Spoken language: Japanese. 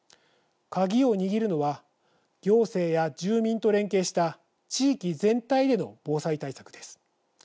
鍵を握るのは行政や住民と連携した地域全体での防災対策です。